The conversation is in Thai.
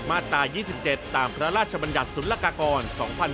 มาตรา๒๗ตามพระราชบัญญัติศุลกากร๒๕๖๒